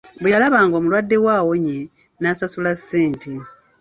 Bwe yalaba ng'omulwadde we awonye n'asasula ssente.